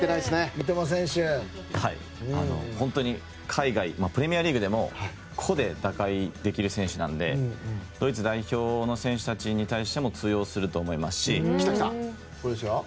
海外プレミアリーグでも個で打開できる選手なのでドイツ代表の選手たちに対しても通用すると思いますし。